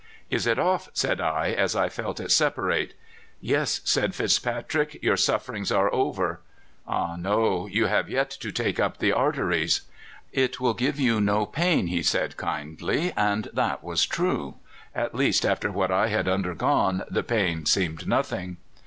"'Is it off?' said I, as I felt it separate. "'Yes,' said FitzPatrick, 'your sufferings are over.' "'Ah no! you have yet to take up the arteries.' "'It will give you no pain,' he said kindly; and that was true at least, after what I had undergone, the pain seemed nothing.